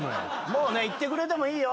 もう行ってくれてもいいよ